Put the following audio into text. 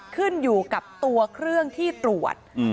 ขึ้นอยู่กับตัวเครื่องที่ตรวจ